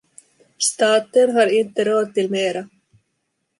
Staten har inte råd till mera.